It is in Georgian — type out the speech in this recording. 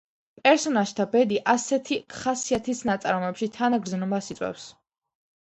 პერსონაჟთა ბედი ასეთი ხასიათის ნაწარმოებში თანაგრძნობას იწვევს.